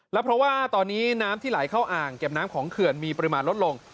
แล้วเพราะว่าตอนนี้น้ำที่ไหลเข้าอ่างเก็บน้ำของเขื่อนมีปริมาณลดลง